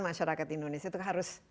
masyarakat indonesia itu harus